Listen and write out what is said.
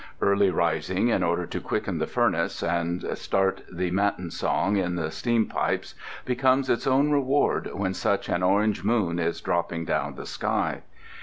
Early rising in order to quicken the furnace and start the matinsong in the steampipes becomes its own reward when such an orange moon is dropping down the sky.